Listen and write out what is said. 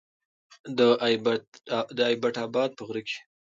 د ايبټ اباد په غره کې